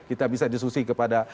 kita bisa diskusi kepada